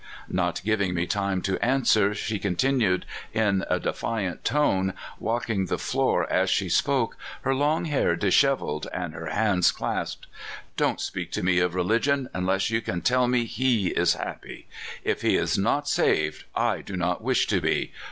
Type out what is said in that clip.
" Not giving me time to answer, she continued in a defiant tone, walking the floor as she spoke, her long hair disheveled, and her hands clasped —" Do n't speak to me of religion, unless you can tell me lie is happy! If he is not saved, I do not wish to be!